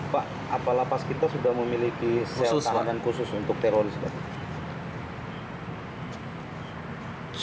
pak apa lapas kita sudah memiliki sel tahanan khusus untuk teroris pak